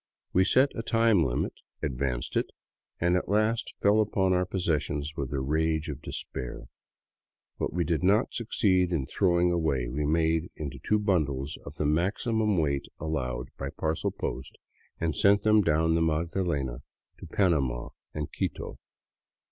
We set a time limit, ad vanced it, and at last fell upon our possessions with the rage of de spair. What we did not succeed in throwing away we made into two bundles of the maximum weight allowed by parcel post and sent them down the Magdalena to Panama and Quito.